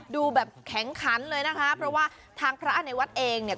ดูแบบแข็งขันเลยนะคะเพราะว่าทางพระในวัดเองเนี่ย